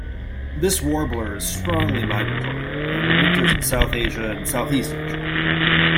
This warbler is strongly migratory and winters in South Asia and South-east Asia.